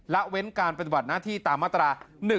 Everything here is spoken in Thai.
ละเว้นการปฏิบัติหน้าที่ตามมาตรา๑๑